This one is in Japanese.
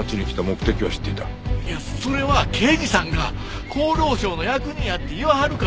それは刑事さんが厚労省の役人やって言わはるから。